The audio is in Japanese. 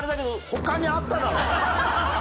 他にあっただろ！